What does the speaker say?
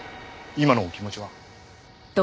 今のお気持ちは？